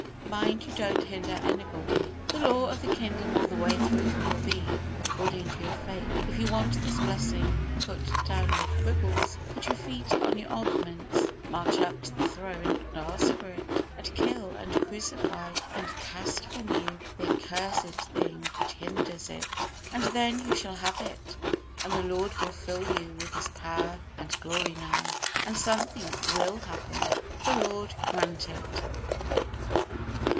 Mind you don't hinder anybody." The law of the kingdom all the way through will be "According to your faith." If you want this blessing, put down your quibbles, put your feet on your arguments, march up to the throne and ask for it, and kill, and crucify, and cast from you, the accursed thing which hinders it, and then you shall have it, and the Lord will fill you with His power and glory now, and something will happen. The Lord grant it.